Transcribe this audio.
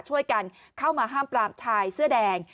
ช่วยกันเข้ามาห้ามปรามชายเสื้อแดง